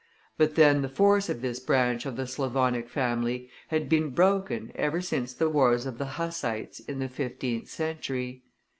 But then the force of this branch of the Slavonic family had been broken ever since the wars of the Hussites in the fifteenth century.